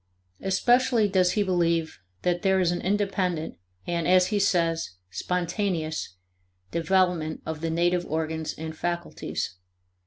Especially does he believe that there is an independent and, as he says, "spontaneous" development of the native organs and faculties.